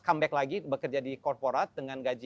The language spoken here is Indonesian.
comeback lagi bekerja di korporat dengan gaji